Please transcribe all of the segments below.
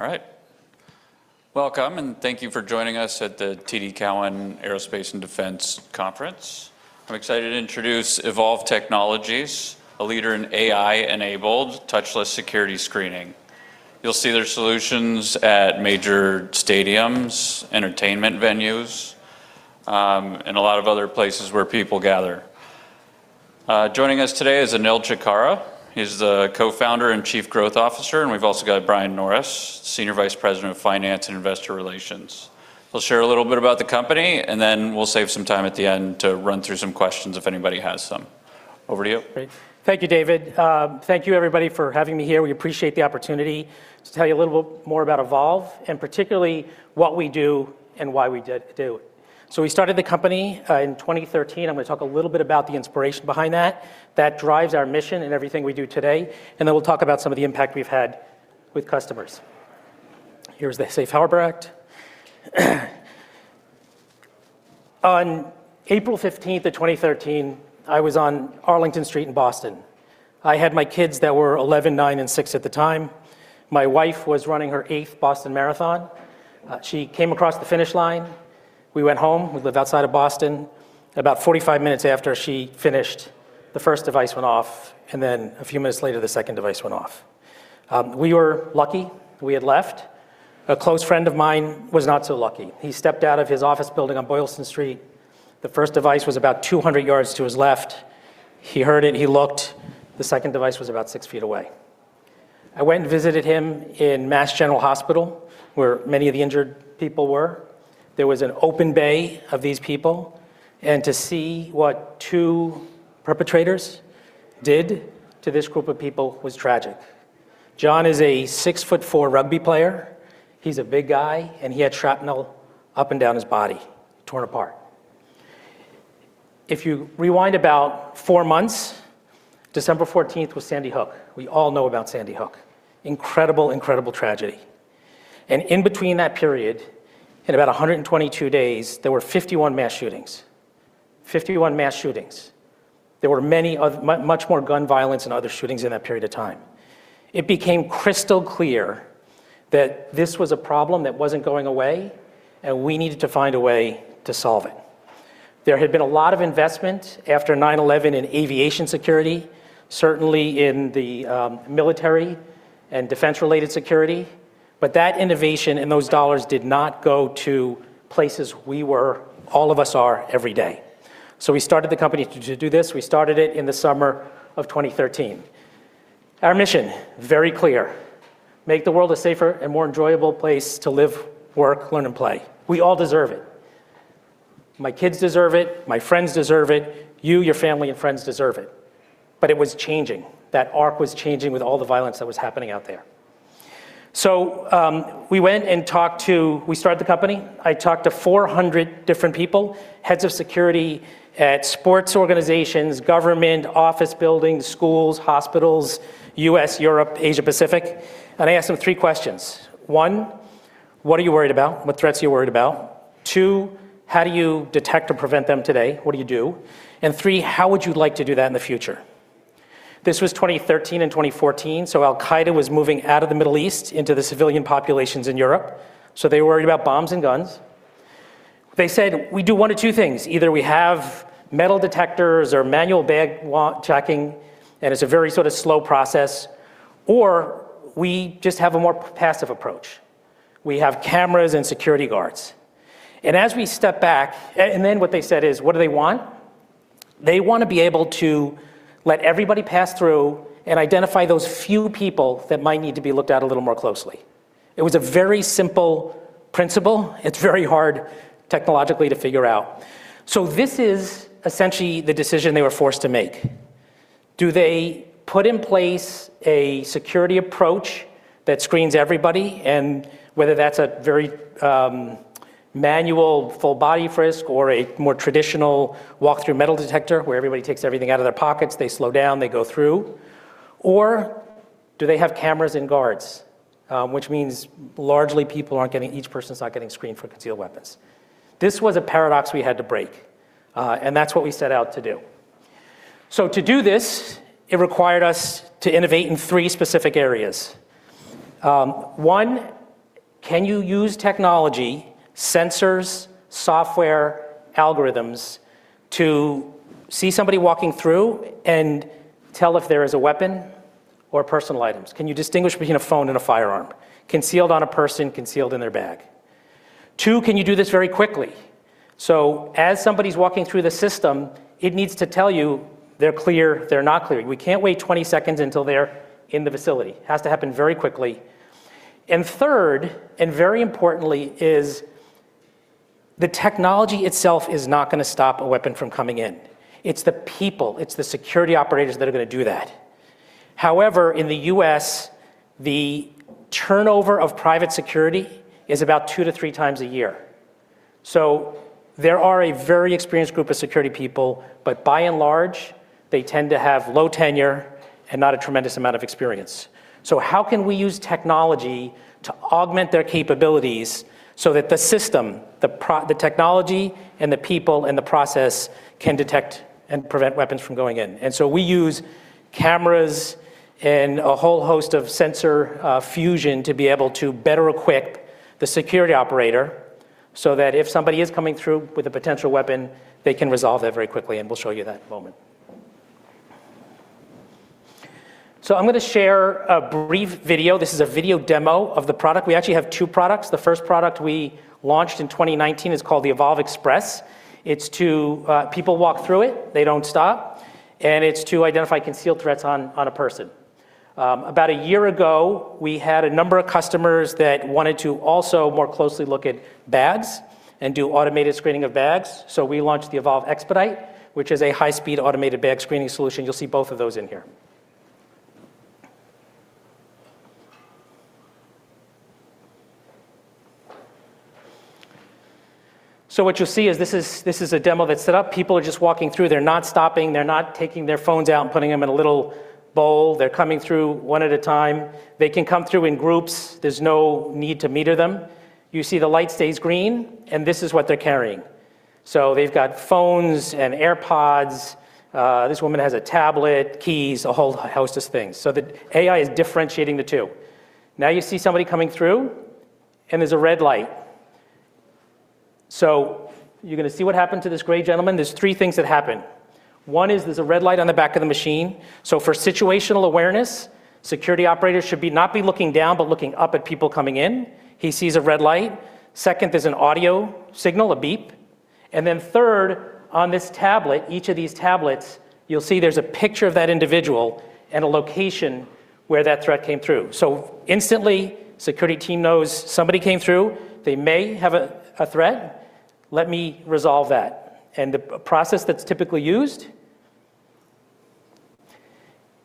All right. Welcome, and thank you for joining us at the TD Cowen Aerospace and Defense Conference. I'm excited to introduce Evolv Technologies, a leader in AI-enabled touchless security screening. You'll see their solutions at major stadiums, entertainment venues, and a lot of other places where people gather. Joining us today is Anil Chitkara. He's the co-founder and Chief Growth Officer, and we've also got Brian Norris, Senior Vice President of Finance and Investor Relations. He'll share a little bit about the company, and then we'll save some time at the end to run through some questions if anybody has some. Over to you. Great. Thank you, David. Thank you, everybody, for having me here. We appreciate the opportunity to tell you a little bit more about Evolv, and particularly what we do and why we did do it. So we started the company in 2013. I'm gonna talk a little bit about the inspiration behind that that drives our mission and everything we do today, and then we'll talk about some of the impact we've had with customers. Here's the Safe Harbor. On April 15th of 2013, I was on Arlington Street in Boston. I had my kids that were 11, nine, and six at the time. My wife was running her 8th Boston Marathon. She came across the finish line. We went home. We lived outside of Boston. About 45 minutes after she finished, the first device went off, and then a few minutes later, the second device went off. We were lucky. We had left. A close friend of mine was not so lucky. He stepped out of his office building on Boylston Street. The first device was about 200 yards to his left. He heard it. He looked. The second device was about six feet away. I went and visited him in Mass General Hospital, where many of the injured people were. There was an open bay of these people, and to see what two perpetrators did to this group of people was tragic. John is a 6'4" rugby player. He's a big guy, and he had shrapnel up and down his body, torn apart. If you rewind about four months, December 14th was Sandy Hook. We all know about Sandy Hook. Incredible, incredible tragedy. And in between that period, in about 122 days, there were 51 mass shootings. 51 mass shootings. There were many other much more gun violence and other shootings in that period of time. It became crystal clear that this was a problem that wasn't going away, and we needed to find a way to solve it. There had been a lot of investment after 9/11 in aviation security, certainly in the military and defense-related security, but that innovation and those dollars did not go to places we were, all of us are, every day. So we started the company to do this. We started it in the summer of 2013. Our mission, very clear: make the world a safer and more enjoyable place to live, work, learn, and play. We all deserve it. My kids deserve it. My friends deserve it. You, your family, and friends deserve it. But it was changing. That arc was changing with all the violence that was happening out there. So, we started the company. I talked to 400 different people, heads of security at sports organizations, government, office buildings, schools, hospitals, U.S., Europe, Asia, Pacific, and I asked them three questions. One, what are you worried about? What threats are you worried about? Two, how do you detect or prevent them today? What do you do? And three, how would you like to do that in the future? This was 2013 and 2014, so Al-Qaeda was moving out of the Middle East into the civilian populations in Europe, so they were worried about bombs and guns. They said, "We do one of two things. Either we have metal detectors or manual bag/wand tracking, and it's a very sort of slow process, or we just have a more passive approach. We have cameras and security guards." And as we stepped back, and then what they said is, "What do they want? They wanna be able to let everybody pass through and identify those few people that might need to be looked at a little more closely." It was a very simple principle. It's very hard technologically to figure out. So this is essentially the decision they were forced to make. Do they put in place a security approach that screens everybody, and whether that's a very manual full-body frisk or a more traditional walk-through metal detector where everybody takes everything out of their pockets, they slow down, they go through, or do they have cameras and guards, which means largely people aren't getting each person's not getting screened for concealed weapons? This was a paradox we had to break, and that's what we set out to do. So to do this, it required us to innovate in three specific areas. One, can you use technology, sensors, software, algorithms to see somebody walking through and tell if there is a weapon or personal items? Can you distinguish between a phone and a firearm? Concealed on a person, concealed in their bag? Two, can you do this very quickly? So as somebody's walking through the system, it needs to tell you they're clear, they're not clear. We can't wait 20 seconds until they're in the facility. It has to happen very quickly. And third, and very importantly, is the technology itself is not gonna stop a weapon from coming in. It's the people. It's the security operators that are gonna do that. However, in the U.S., the turnover of private security is about two to three times a year. So there are a very experienced group of security people, but by and large, they tend to have low tenure and not a tremendous amount of experience. So how can we use technology to augment their capabilities so that the system, the process, the technology, and the people and the process can detect and prevent weapons from going in? And so we use cameras and a whole host of sensor fusion to be able to better equip the security operator so that if somebody is coming through with a potential weapon, they can resolve that very quickly, and we'll show you that in a moment. So I'm gonna share a brief video. This is a video demo of the product. We actually have two products. The first product we launched in 2019 is called the Evolv Express. It's so people walk through it. They don't stop. It's to identify concealed threats on a person. About a year ago, we had a number of customers that wanted to also more closely look at bags and do automated screening of bags, so we launched the Evolv eXpedite, which is a high-speed automated bag screening solution. You'll see both of those in here. So what you'll see is this is a demo that's set up. People are just walking through. They're not stopping. They're not taking their phones out and putting them in a little bowl. They're coming through one at a time. They can come through in groups. There's no need to meter them. You see the light stays green, and this is what they're carrying. So they've got phones and AirPods. This woman has a tablet, keys, a whole host of things. So the AI is differentiating the two. Now you see somebody coming through, and there's a red light. So you're gonna see what happened to this gray gentleman. There's three things that happen. One is there's a red light on the back of the machine. So for situational awareness, security operators should not be looking down but looking up at people coming in. He sees a red light. Second, there's an audio signal, a beep. And then third, on this tablet, each of these tablets, you'll see there's a picture of that individual and a location where that threat came through. So instantly, the security team knows somebody came through. They may have a threat. Let me resolve that. And the process that's typically used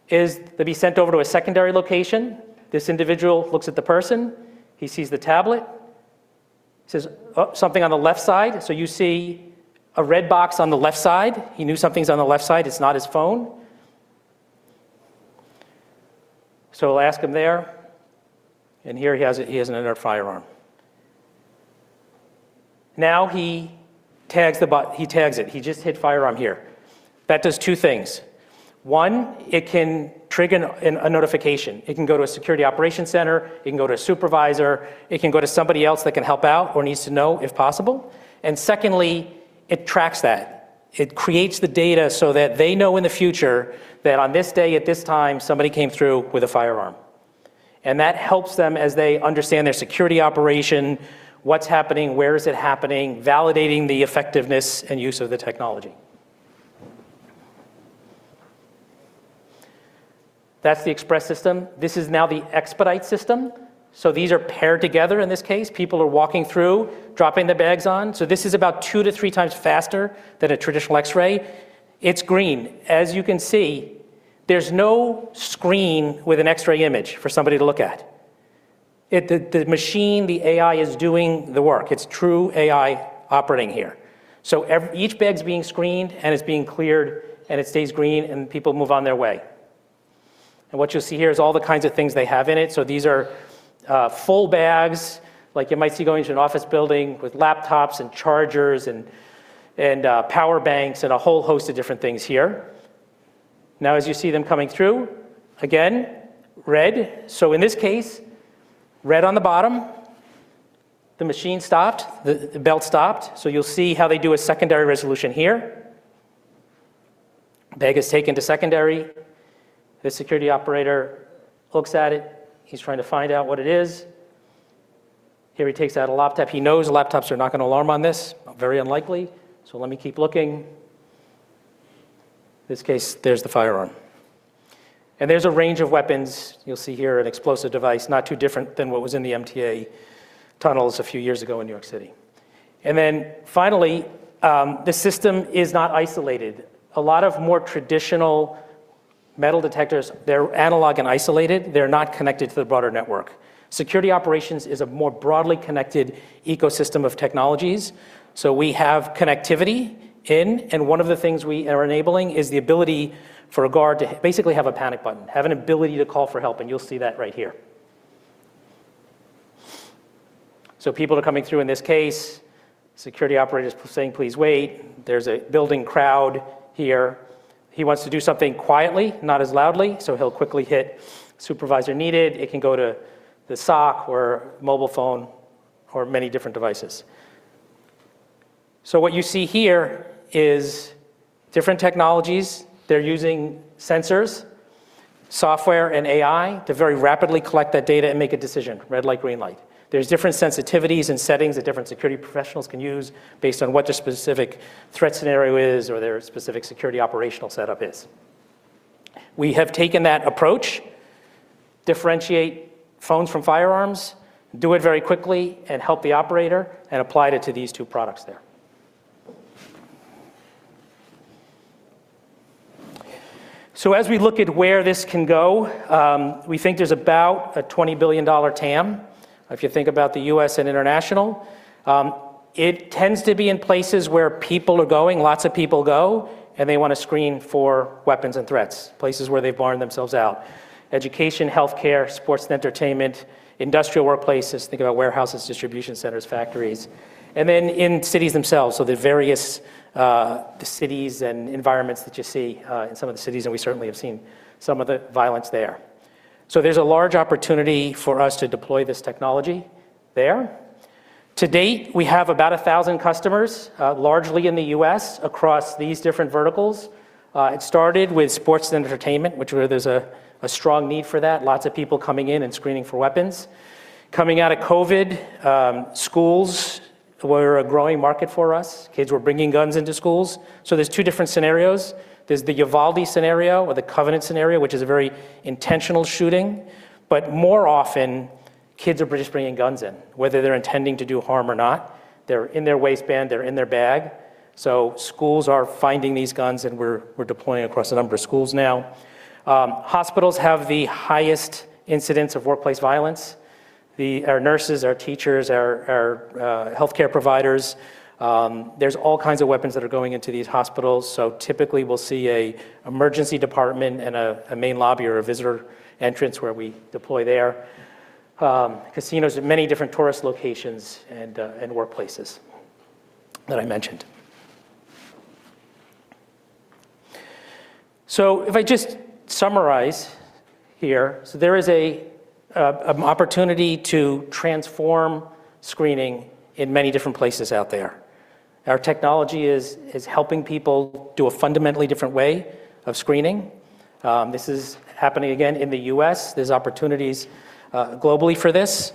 is they'll be sent over to a secondary location. This individual looks at the person. He sees the tablet. He says, "Oh, something on the left side." So you see a red box on the left side. He knew something's on the left side. It's not his phone. So we'll ask him there. And here he has another firearm. Now he tags it. He just hit firearm here. That does two things. One, it can trigger a notification. It can go to a security operations center. It can go to a supervisor. It can go to somebody else that can help out or needs to know, if possible. And secondly, it tracks that. It creates the data so that they know in the future that on this day, at this time, somebody came through with a firearm. That helps them as they understand their security operation, what's happening, where is it happening, validating the effectiveness and use of the technology. That's the Express system. This is now the eXpedite system. So these are paired together in this case. People are walking through, dropping their bags on. So this is about 2-3 times faster than a traditional X-ray. It's green. As you can see, there's no screen with an X-ray image for somebody to look at. It's the machine, the AI is doing the work. It's true AI operating here. So every bag's being screened, and it's being cleared, and it stays green, and people move on their way. And what you'll see here is all the kinds of things they have in it. So these are full bags, like you might see going into an office building with laptops and chargers and, and, power banks and a whole host of different things here. Now, as you see them coming through, again, red. So in this case, red on the bottom. The machine stopped. The belt stopped. So you'll see how they do a secondary resolution here. Bag is taken to secondary. The security operator looks at it. He's trying to find out what it is. Here he takes out a laptop. He knows laptops are not gonna alarm on this. Very unlikely. So let me keep looking. In this case, there's the firearm. And there's a range of weapons. You'll see here an explosive device, not too different than what was in the MTA tunnels a few years ago in New York City. And then finally, this system is not isolated. A lot more traditional metal detectors, they're analog and isolated. They're not connected to the broader network. Security operations is a more broadly connected ecosystem of technologies. So we have connectivity in, and one of the things we are enabling is the ability for a guard to basically have a panic button, have an ability to call for help, and you'll see that right here. So people are coming through in this case. Security operator's saying, "Please wait. There's a building crowd here." He wants to do something quietly, not as loudly, so he'll quickly hit supervisor needed. It can go to the SOC or mobile phone or many different devices. So what you see here is different technologies. They're using sensors, software, and AI to very rapidly collect that data and make a decision, red light, green light. There's different sensitivities and settings that different security professionals can use based on what their specific threat scenario is or their specific security operational setup is. We have taken that approach, differentiate phones from firearms, do it very quickly, and help the operator, and apply it to these two products there. So as we look at where this can go, we think there's about a $20 billion TAM. If you think about the U.S. and international, it tends to be in places where people are going, lots of people go, and they wanna screen for weapons and threats, places where they've burned themselves out: education, healthcare, sports and entertainment, industrial workplaces. Think about warehouses, distribution centers, factories. And then in cities themselves, so the various, the cities and environments that you see, in some of the cities, and we certainly have seen some of the violence there. So there's a large opportunity for us to deploy this technology there. To date, we have about 1,000 customers, largely in the U.S. across these different verticals. It started with sports and entertainment, where there's a strong need for that, lots of people coming in and screening for weapons. Coming out of COVID, schools were a growing market for us. Kids were bringing guns into schools. So there's two different scenarios. There's the Uvalde scenario or the Covenant scenario, which is a very intentional shooting, but more often, kids are just bringing guns in, whether they're intending to do harm or not. They're in their waistband. They're in their bag. So schools are finding these guns, and we're deploying across a number of schools now. Hospitals have the highest incidence of workplace violence. To our nurses, our teachers, our healthcare providers, there's all kinds of weapons that are going into these hospitals. So typically, we'll see an emergency department and a main lobby or a visitor entrance where we deploy there. Casinos at many different tourist locations and workplaces that I mentioned. So if I just summarize here, there is an opportunity to transform screening in many different places out there. Our technology is helping people do a fundamentally different way of screening. This is happening again in the U.S. There's opportunities, globally for this.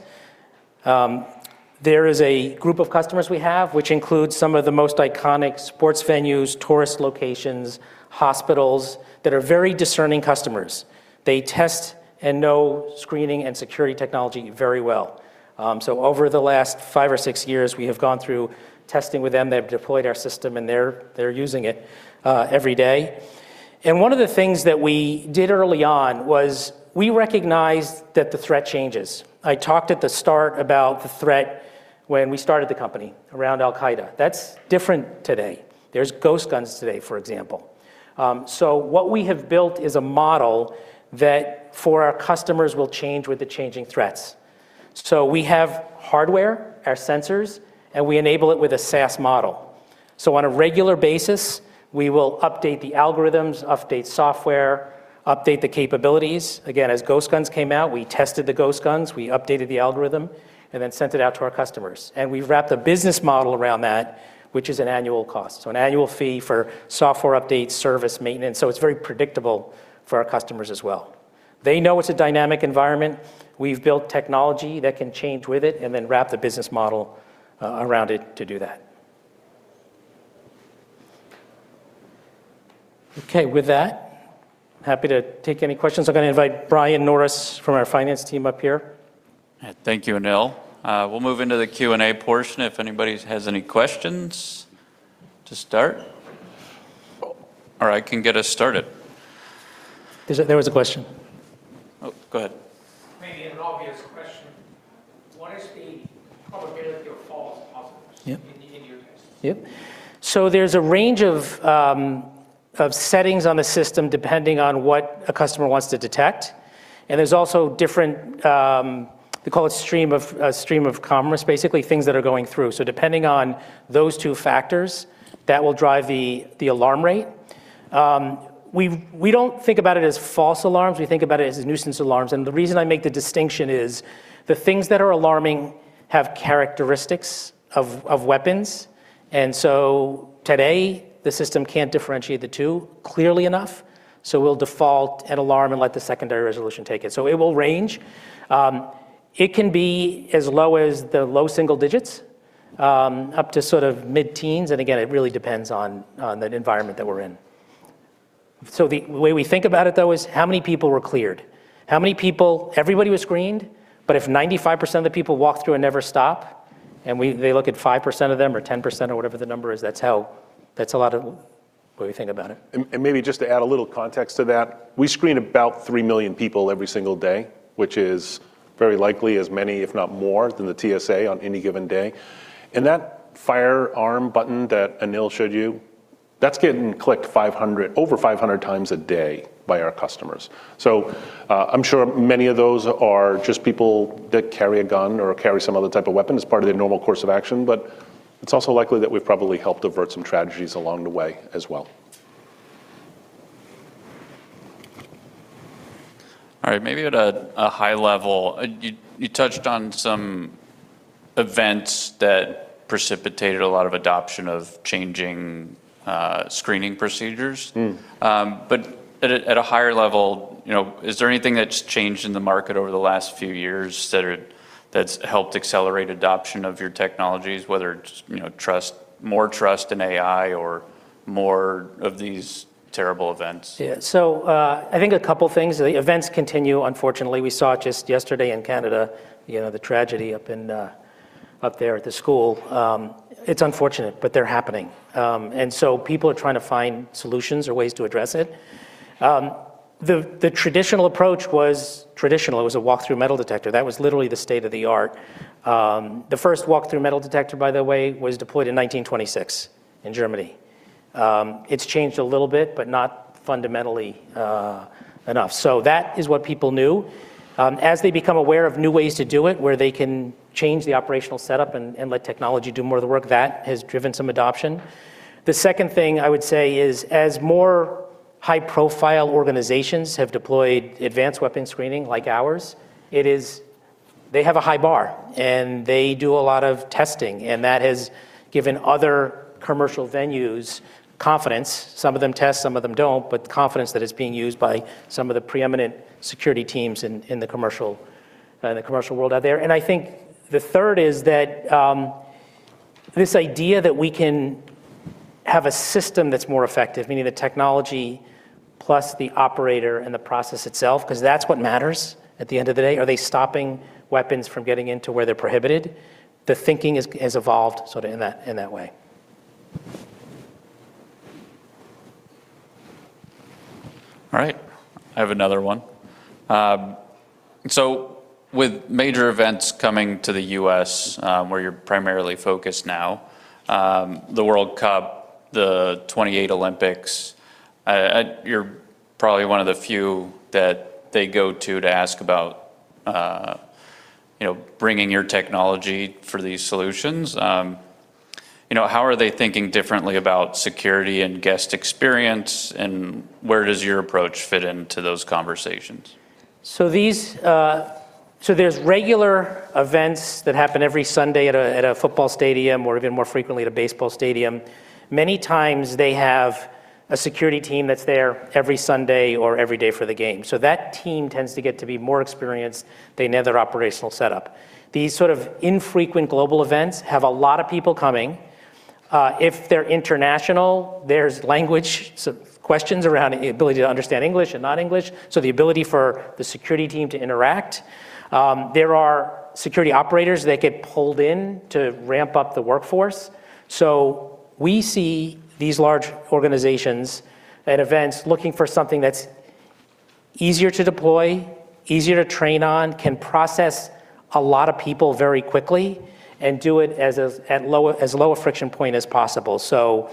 There is a group of customers we have, which includes some of the most iconic sports venues, tourist locations, hospitals that are very discerning customers. They test and know screening and security technology very well. So over the last five or six years, we have gone through testing with them. They've deployed our system, and they're, they're using it, every day. One of the things that we did early on was we recognized that the threat changes. I talked at the start about the threat when we started the company around Al-Qaeda. That's different today. There's ghost guns today, for example. So what we have built is a model that for our customers will change with the changing threats. So we have hardware, our sensors, and we enable it with a SaaS model. So on a regular basis, we will update the algorithms, update software, update the capabilities. Again, as ghost guns came out, we tested the ghost guns. We updated the algorithm and then sent it out to our customers. And we've wrapped a business model around that, which is an annual cost, so an annual fee for software updates, service, maintenance. So it's very predictable for our customers as well. They know it's a dynamic environment. We've built technology that can change with it and then wrap the business model around it to do that. Okay. With that, happy to take any questions. I'm gonna invite Brian Norris from our finance team up here. All right. Thank you, Anil. We'll move into the Q&A portion if anybody has any questions to start. Or I can get us started. There was a question. Oh, go ahead. Maybe an obvious question. What is the probability of false positives? Yep. In your test? Yep. So there's a range of, of settings on the system depending on what a customer wants to detect. And there's also different, they call it stream of, stream of commerce, basically, things that are going through. So depending on those two factors, that will drive the, the alarm rate. We, we don't think about it as false alarms. We think about it as nuisance alarms. And the reason I make the distinction is the things that are alarming have characteristics of, of weapons. And so today, the system can't differentiate the two clearly enough, so we'll default an alarm and let the secondary resolution take it. So it will range. It can be as low as the low single digits, up to sort of mid-teens. And again, it really depends on, on the environment that we're in. So the way we think about it, though, is how many people were cleared, how many people everybody was screened, but if 95% of the people walk through and never stop, and we they look at 5% of them or 10% or whatever the number is, that's how that's a lot of the way we think about it. And maybe just to add a little context to that, we screen about 3 million people every single day, which is very likely as many, if not more, than the TSA on any given day. And that firearm button that Anil showed you, that's getting clicked over 500 times a day by our customers. So, I'm sure many of those are just people that carry a gun or carry some other type of weapon as part of their normal course of action, but it's also likely that we've probably helped avert some tragedies along the way as well. All right. Maybe at a high level, you touched on some events that precipitated a lot of adoption of changing screening procedures. But at a higher level, you know, is there anything that's changed in the market over the last few years that's helped accelerate adoption of your technologies, whether it's, you know, more trust in AI or more of these terrible events? Yeah. So, I think a couple things. The events continue, unfortunately. We saw just yesterday in Canada, you know, the tragedy up in, up there at the school. It's unfortunate, but they're happening. And so people are trying to find solutions or ways to address it. The traditional approach was traditional. It was a walkthrough metal detector. That was literally the state of the art. The first walkthrough metal detector, by the way, was deployed in 1926 in Germany. It's changed a little bit, but not fundamentally, enough. So that is what people knew. As they become aware of new ways to do it, where they can change the operational setup and let technology do more of the work, that has driven some adoption. The second thing I would say is as more high-profile organizations have deployed advanced weapon screening like ours, it is they have a high bar, and they do a lot of testing, and that has given other commercial venues confidence. Some of them test. Some of them don't, but confidence that it's being used by some of the preeminent security teams in the commercial world out there. And I think the third is that this idea that we can have a system that's more effective, meaning the technology plus the operator and the process itself, 'cause that's what matters at the end of the day. Are they stopping weapons from getting into where they're prohibited? The thinking has evolved sort of in that way. All right. I have another one. So with major events coming to the U.S., where you're primarily focused now, the World Cup, the 2028 Olympics, you're probably one of the few that they go to to ask about, you know, bringing your technology for these solutions. You know, how are they thinking differently about security and guest experience, and where does your approach fit into those conversations? So there's regular events that happen every Sunday at a football stadium or even more frequently at a baseball stadium. Many times, they have a security team that's there every Sunday or every day for the game. So that team tends to get to be more experienced than their operational setup. These sort of infrequent global events have a lot of people coming. If they're international, there's language so questions around the ability to understand English and not English, so the ability for the security team to interact. There are security operators that get pulled in to ramp up the workforce. So we see these large organizations at events looking for something that's easier to deploy, easier to train on, can process a lot of people very quickly and do it as low a friction point as possible. So,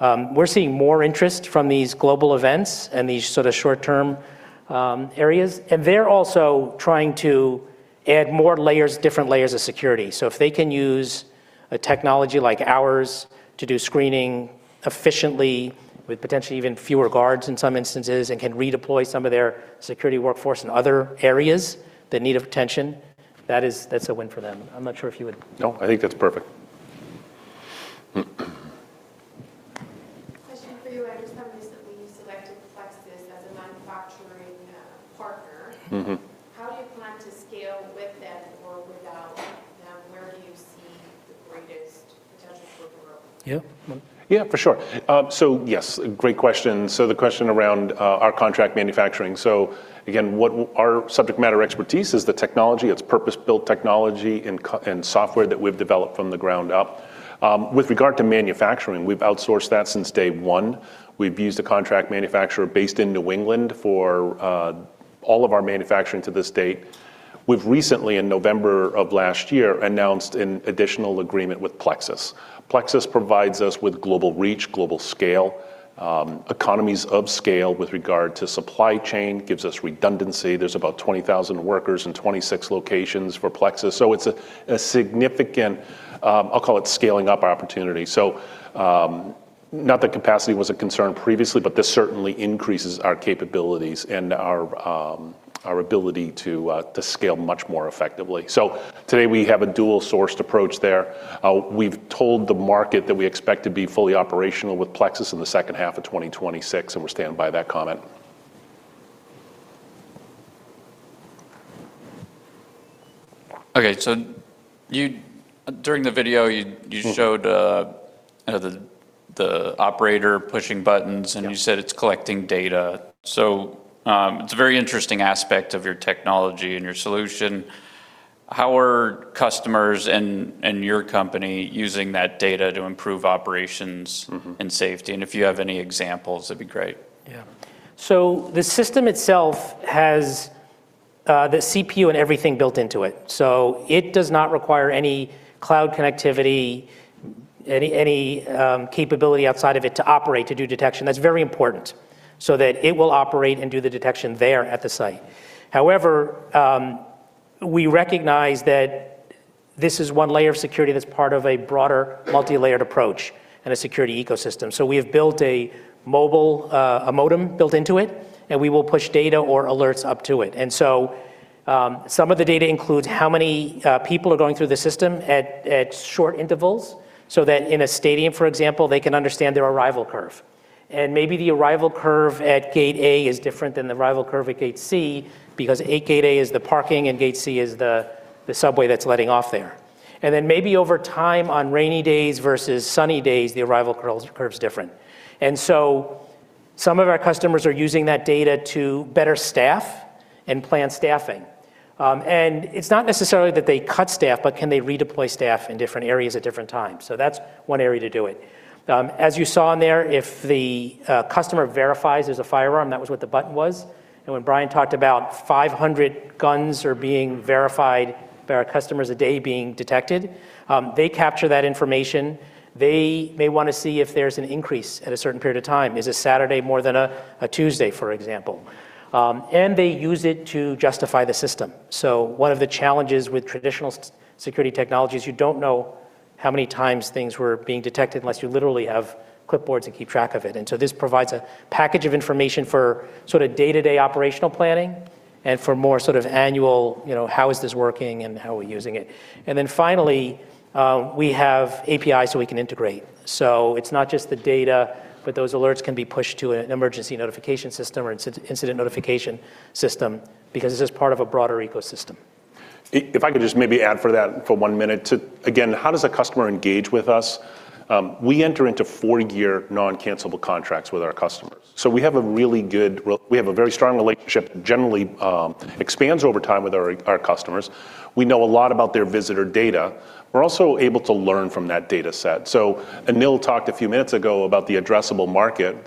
we're seeing more interest from these global events and these sort of short-term areas. They're also trying to add more layers, different layers of security. So if they can use a technology like ours to do screening efficiently with potentially even fewer guards in some instances and can redeploy some of their security workforce in other areas that need attention, that is, that's a win for them. I'm not sure if you would. No, I think that's perfect. Question for you. I just noticed that we've selected Plexus as a manufacturing partner. Mm-hmm. How do you plan to scale with them or without them? Where do you see the greatest potential for growth? Yep. Yeah, for sure. So yes, great question. So the question around our contract manufacturing. So again, what our subject matter expertise is the technology. It's purpose-built technology and cloud and software that we've developed from the ground up. With regard to manufacturing, we've outsourced that since day one. We've used a contract manufacturer based in New England for all of our manufacturing to this date. We've recently, in November of last year, announced an additional agreement with Plexus. Plexus provides us with global reach, global scale, economies of scale with regard to supply chain, gives us redundancy. There's about 20,000 workers in 26 locations for Plexus. So it's a significant, I'll call it scaling up opportunity. So, not that capacity was a concern previously, but this certainly increases our capabilities and our ability to scale much more effectively. Today, we have a dual-sourced approach there. We've told the market that we expect to be fully operational with Plexus in the second half of 2026, and we stand by that comment. Okay. So you during the video, you showed, you know, the operator pushing buttons, and you said it's collecting data. So, it's a very interesting aspect of your technology and your solution. How are customers and your company using that data to improve operations? Mm-hmm. Safety? And if you have any examples, that'd be great. Yeah. So the system itself has the CPU and everything built into it. So it does not require any cloud connectivity, any capability outside of it to operate, to do detection. That's very important so that it will operate and do the detection there at the site. However, we recognize that this is one layer of security that's part of a broader multilayered approach and a security ecosystem. So we have built a mobile modem built into it, and we will push data or alerts up to it. And so, some of the data includes how many people are going through the system at short intervals so that in a stadium, for example, they can understand their arrival curve. And maybe the arrival curve at Gate A is different than the arrival curve at Gate C because Gate A is the parking and Gate C is the subway that's letting off there. And then maybe over time on rainy days versus sunny days, the arrival curve's different. And so some of our customers are using that data to better staff and plan staffing. And it's not necessarily that they cut staff, but can they redeploy staff in different areas at different times? So that's one area to do it. As you saw in there, if the customer verifies there's a firearm, that was what the button was. And when Brian talked about 500 guns being verified by our customers a day being detected, they capture that information. They may wanna see if there's an increase at a certain period of time. Is a Saturday more than a Tuesday, for example? And they use it to justify the system. So one of the challenges with traditional security technologies, you don't know how many times things were being detected unless you literally have clipboards and keep track of it. And so this provides a package of information for sort of day-to-day operational planning and for more sort of annual, you know, how is this working and how are we using it? And then finally, we have APIs so we can integrate. So it's not just the data, but those alerts can be pushed to an emergency notification system or an incident notification system because this is part of a broader ecosystem. If I could just maybe add to that for one minute to again, how does a customer engage with us? We enter into four-year non-cancelable contracts with our customers. So we have a really good. We have a very strong relationship that generally expands over time with our, our customers. We know a lot about their visitor data. We're also able to learn from that data set. So Anil talked a few minutes ago about the addressable market.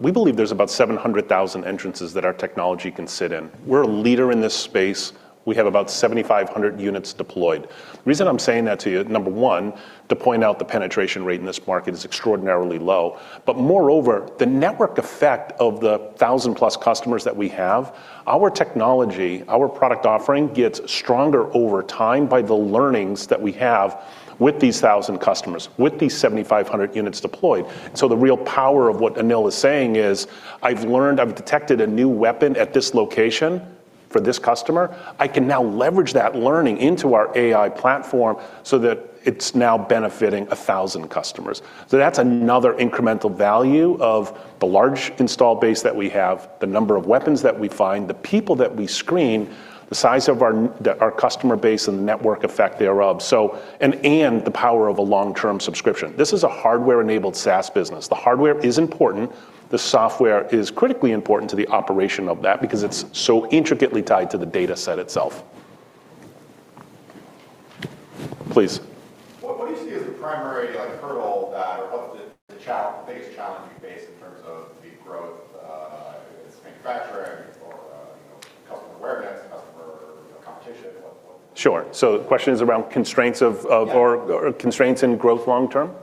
We believe there's about 700,000 entrances that our technology can sit in. We're a leader in this space. We have about 7,500 units deployed. The reason I'm saying that to you, number one, to point out the penetration rate in this market is extraordinarily low. But moreover, the network effect of the 1,000+ customers that we have, our technology, our product offering gets stronger over time by the learnings that we have with these 1,000 customers, with these 7,500 units deployed. And so the real power of what Anil is saying is, "I've learned I've detected a new weapon at this location for this customer. I can now leverage that learning into our AI platform so that it's now benefiting 1,000 customers." So that's another incremental value of the large install base that we have, the number of weapons that we find, the people that we screen, the size of our customer base and the network effect thereof. So, the power of a long-term subscription. This is a hardware-enabled SaaS business. The hardware is important. The software is critically important to the operation of that because it's so intricately tied to the data set itself. Please. in terms of the growth, I guess, manufacturing or, you know, customer awareness, customer, you know, competition? What? Sure. So the question is around constraints of or constraints in growth long-term? You. Thoughts? Your perspective, and I'll share.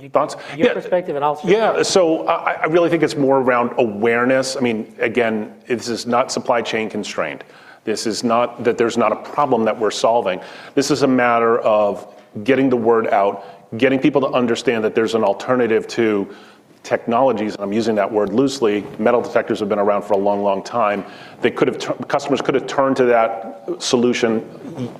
Yeah. So I really think it's more around awareness. I mean, again, this is not supply chain constrained. This is not that there's not a problem that we're solving. This is a matter of getting the word out, getting people to understand that there's an alternative to technologies. And I'm using that word loosely. Metal detectors have been around for a long, long time. Customers could have turned to that solution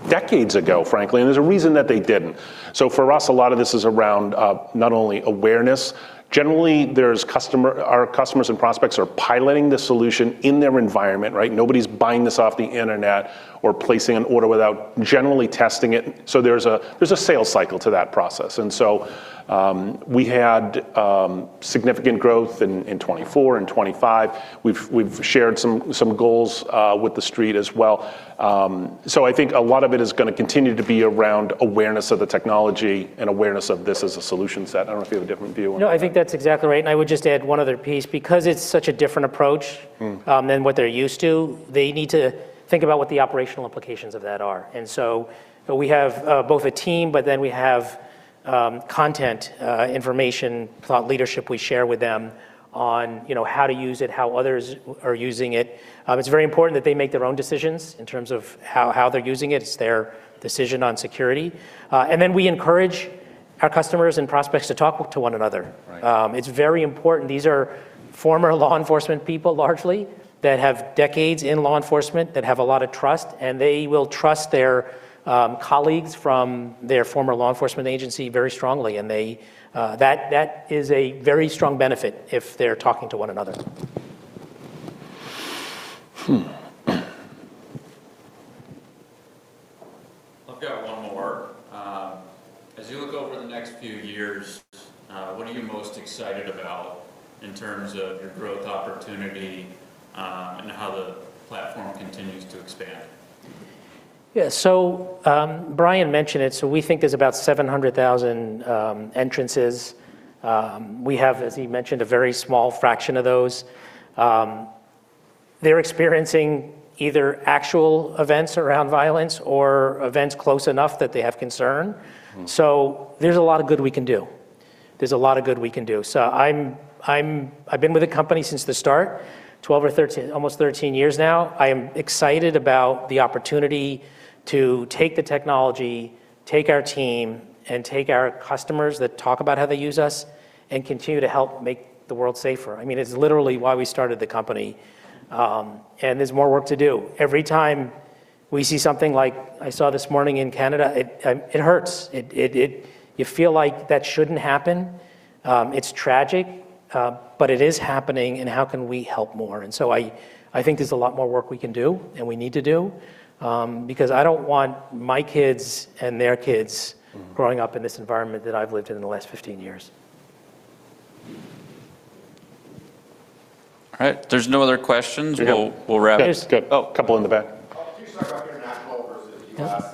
decades ago, frankly. And there's a reason that they didn't. So for us, a lot of this is around, not only awareness. Generally, our customers and prospects are piloting the solution in their environment, right? Nobody's buying this off the internet or placing an order without generally testing it. So there's a sales cycle to that process. And so, we had significant growth in 2024 and 2025. We've shared some goals with the street as well. So I think a lot of it is gonna continue to be around awareness of the technology and awareness of this as a solution set. I don't know if you have a different view on that. No, I think that's exactly right. I would just add one other piece. Because it's such a different approach. Mm-hmm. than what they're used to, they need to think about what the operational implications of that are. And so we have both a team, but then we have content, information, thought leadership we share with them on, you know, how to use it, how others are using it. It's very important that they make their own decisions in terms of how, how they're using it. It's their decision on security. And then we encourage our customers and prospects to talk to one another. Right. It's very important. These are former law enforcement people largely that have decades in law enforcement, that have a lot of trust, and they will trust their colleagues from their former law enforcement agency very strongly. And they, that is a very strong benefit if they're talking to one another. I've got one more. As you look over the next few years, what are you most excited about in terms of your growth opportunity, and how the platform continues to expand? Yeah. So, Brian mentioned it. We think there's about 700,000 entrances. We have, as he mentioned, a very small fraction of those. They're experiencing either actual events around violence or events close enough that they have concern. Mm-hmm. So there's a lot of good we can do. There's a lot of good we can do. So I'm, I've been with the company since the start, 12 or 13, almost 13 years now. I am excited about the opportunity to take the technology, take our team, and take our customers that talk about how they use us and continue to help make the world safer. I mean, it's literally why we started the company. And there's more work to do. Every time we see something like I saw this morning in Canada, it hurts. It, you feel like that shouldn't happen. It's tragic, but it is happening. And how can we help more? And so I think there's a lot more work we can do and we need to do, because I don't want my kids and their kids. Mm-hmm. Growing up in this environment that I've lived in the last 15 years. All right. There's no other questions. Yeah. We'll wrap up. There's a couple in the back.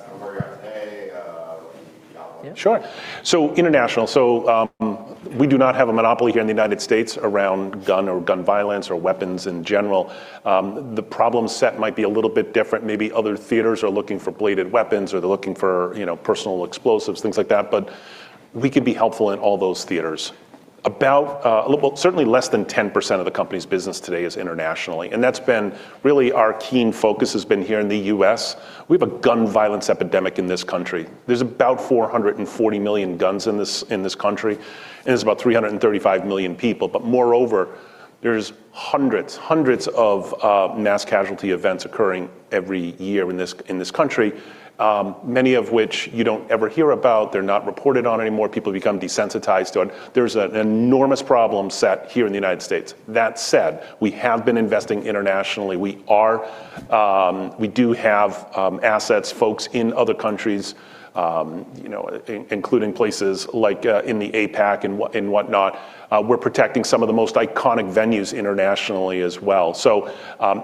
Yeah. Sure. So, international. So, we do not have a monopoly here in the United States around gun or gun violence or weapons in general. The problem set might be a little bit different. Maybe other theaters are looking for bladed weapons or they're looking for, you know, personal explosives, things like that. But we could be helpful in all those theaters. About, certainly less than 10% of the company's business today is internationally. And that's been really our keen focus has been here in the U.S. We have a gun violence epidemic in this country. There's about 440 million guns in this in this country. And there's about 335 million people. But moreover, there's hundreds, hundreds of, mass casualty events occurring every year in this in this country, many of which you don't ever hear about. They're not reported on anymore. People become desensitized to it. There's an enormous problem set here in the United States. That said, we have been investing internationally. We do have assets, folks in other countries, you know, including places like in the APAC and whatnot. We're protecting some of the most iconic venues internationally as well. So,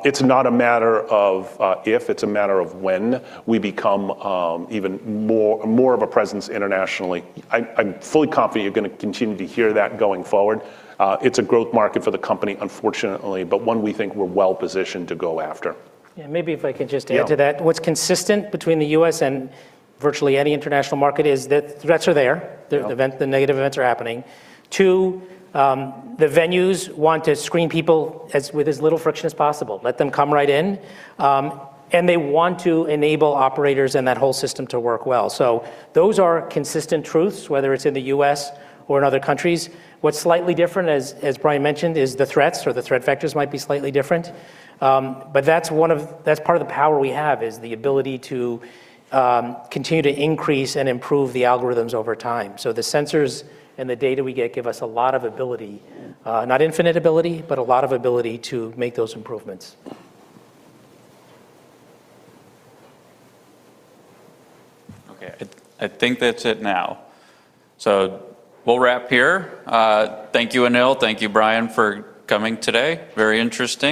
it's not a matter of if. It's a matter of when we become even more of a presence internationally. I'm fully confident you're gonna continue to hear that going forward. It's a growth market for the company, unfortunately, but one we think we're well-positioned to go after. Yeah. Maybe if I could just add to that. Yeah. What's consistent between the U.S. and virtually any international market is that threats are there. The negative events are happening. Too, the venues want to screen people with as little friction as possible, let them come right in. And they want to enable operators and that whole system to work well. So those are consistent truths, whether it's in the U.S. or in other countries. What's slightly different, as Brian mentioned, is the threats or the threat vectors might be slightly different. But that's part of the power we have is the ability to continue to increase and improve the algorithms over time. So the sensors and the data we get give us a lot of ability, not infinite ability, but a lot of ability to make those improvements. Okay. I think that's it now. So we'll wrap here. Thank you, Anil. Thank you, Brian, for coming today. Very interesting.